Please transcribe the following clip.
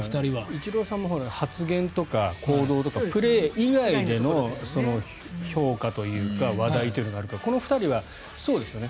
イチローさんも発言とか行動とかプレー以外での評価というか話題というのがあるからこの２人はそうですよね。